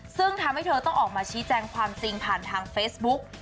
ซึ่งทำให้เธอต้องออกมาชี้แจงความจริงผ่านทางเฟซบุ๊ก